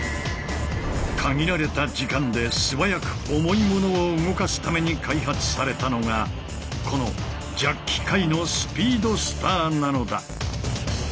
限られた時間で素早く重い物を動かすために開発されたのがこのジャッキ界のスピードスターなのだ！